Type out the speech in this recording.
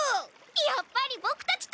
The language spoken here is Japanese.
やっぱりボクたちと。